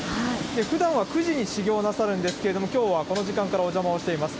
ふだんは９時に始業なさるんですけど、きょうはこの時間からお邪魔をしています。